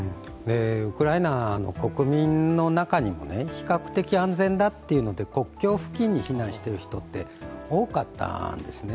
ウクライナの国民の中にも比較的安全だというので国境付近に避難している人って多かったんですね。